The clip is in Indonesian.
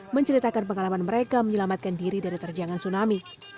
menceritakan pengalaman mereka menyelamatkan diri dari terjangan tsunami